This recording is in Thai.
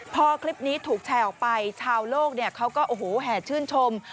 พอคลิปนี้ถูกแชร์ออกไปชาวโลกเขาก็โอ้โหแห่ชื่นชม